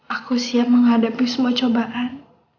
aku siap menghadapi semua cobaan